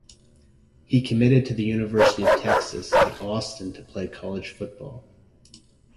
He committed to the University of Texas at Austin to play college football.